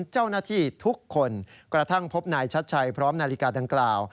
เจ้าหน้าที่ทุกคนกระทั่งพบนายชัดชัยพร้อมนาฬิกาดังกล่าว